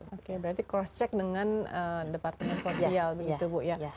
oke berarti cross check dengan departemen sosial begitu bu ya